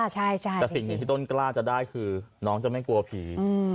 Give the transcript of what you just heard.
แต่สิ่งหนึ่งที่ต้นกล้าจะได้คือน้องจะไม่กลัวผี